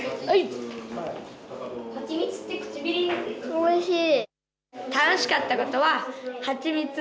おいしい。